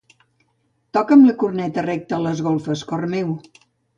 Toca'm la corneta recta a les golfes, cor meu.